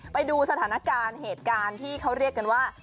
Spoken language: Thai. ไปดูสถานการณ์เหตุการณ์ที่เขาเรียกกันว่า